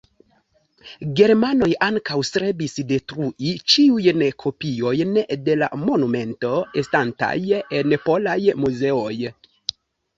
Germanoj ankaŭ strebis detrui ĉiujn kopiojn de la monumento estantaj en polaj muzeoj.